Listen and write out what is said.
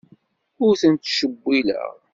Ur ten-ttcewwileɣ.